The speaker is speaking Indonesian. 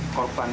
asr sahaf ini